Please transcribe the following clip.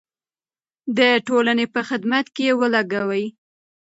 د ټولنې په خدمت کې یې ولګوئ.